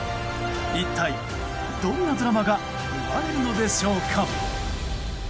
一体どんなドラマが生まれるのでしょうか。